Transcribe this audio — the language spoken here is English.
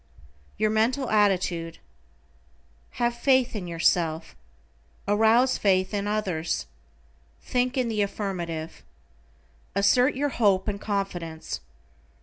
=YOUR MENTAL ATTITUDE:= Have faith in yourself. Arouse faith in others. Think in the affirmative. Assert your hope and confidence.